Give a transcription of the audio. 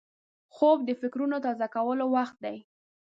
خوب د فکرونو تازه کولو وخت دی